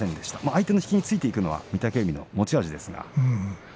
相手の引きについていくのは御嶽海の持ち味です。